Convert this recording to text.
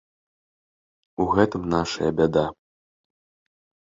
У гэтым нашая бяда.